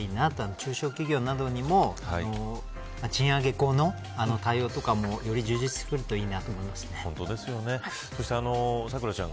中小企業などにも賃上げ以降の対応とかもより充実してくるといいなとそして、咲楽ちゃん